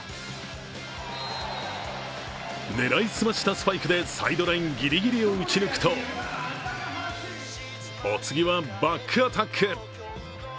狙い澄ましたスパイクでサイドラインぎりぎりを打ち抜くとお次はバックアタック。